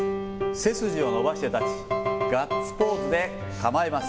背筋を伸ばして立ち、ガッツポーズで構えます。